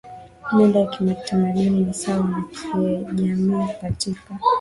mila ya kitamaduni ni sawa na Kiajemi Katika